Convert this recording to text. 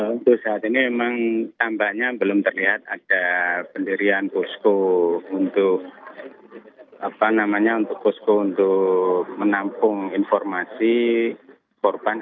untuk saat ini memang tampaknya belum terlihat ada pendirian posko untuk posko untuk menampung informasi korban